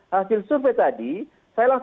hasil survei tadi saya langsung